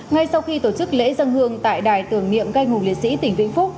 ngay sau khi tổ chức lễ dân hương tại đài tưởng niệm canh hùng liệt sĩ tỉnh vĩnh phúc